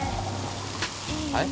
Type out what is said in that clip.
はい？